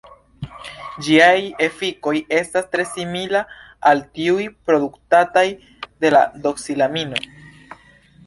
Ĝiaj efikoj estas tre simila al tiuj produktataj de la doksilamino.